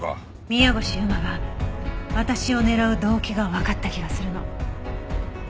宮越優真が私を狙う動機がわかった気がするの。